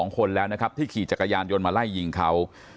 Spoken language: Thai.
๒คนแล้วที่ขี่จักรยานโยนมาไล่ยิงเขา